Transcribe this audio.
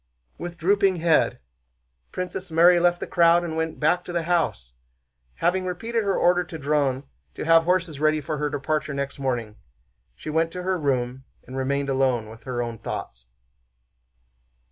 With drooping head Princess Mary left the crowd and went back to the house. Having repeated her order to Dron to have horses ready for her departure next morning, she went to her room and remained alone with her own thoughts.